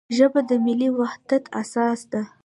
ژبه د ملي وحدت اساس ده.